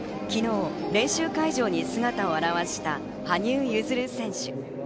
昨日練習会場に姿を現した羽生結弦選手。